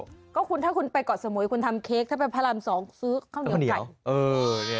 ก็คุณถ้าคุณไปเกาะสมุยคุณทำเค้กถ้าไปพระราม๒ซื้อข้าวเหนียวไก่